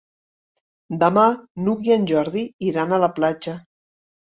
Demà n'Hug i en Jordi iran a la platja.